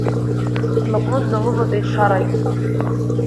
Длаҟәны дналыватәеит Шарагьы.